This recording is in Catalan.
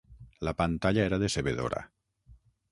La pantalla era decebedora.